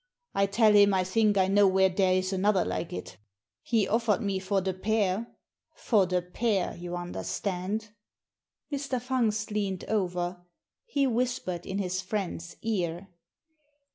I tell him I think I know where there is another like it. He offered me for the pair — for the pair, you understand " Mr. Fungst leaned over. He whispered in his friend's ear.